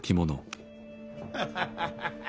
ハハハハハ。